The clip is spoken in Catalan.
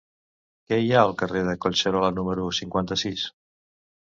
Què hi ha al carrer de Collserola número cinquanta-sis?